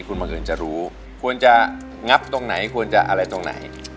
คุณบังเอิญจะรู้ควรจะงับตรงไหนควรจะอะไรตรงไหน